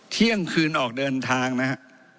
เที่ยงคืนออกเดินทางนะฮะ